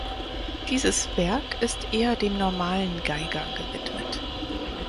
Dieses Werk ist eher dem normalen Geiger gewidmet.